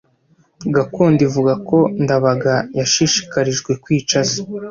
Gakondo ivuga ko Ndabaga yashishikarijwe kwica se